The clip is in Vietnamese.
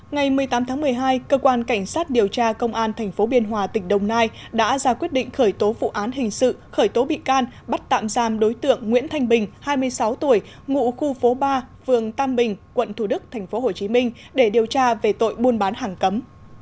ngày một mươi tám tháng một mươi hai cơ quan cảnh sát điều tra công an tp biên hòa tỉnh đồng nai đã ra quyết định khởi tố vụ án hình sự khởi tố bị can bắt tạm giam đối tượng nguyễn thanh bình hai mươi sáu tuổi ngụ khu phố ba phường tam bình quận thủ đức tp hcm để điều tra về tội buôn bán hàng cấm